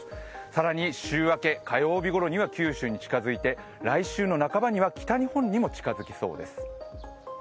更に週明け、火曜日頃には九州に近づいて来週の半ばには北日本にも近づきそうです。